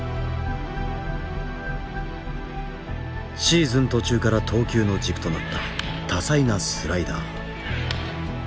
シーズン途中から投球の軸となった多彩なスライダー。